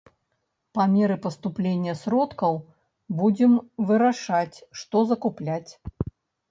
Па меры паступлення сродкаў будзем вырашаць, што закупляць.